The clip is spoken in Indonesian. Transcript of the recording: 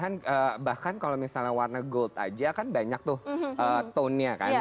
karena bahkan kalau misalnya warna gold aja kan banyak tuh tone nya kan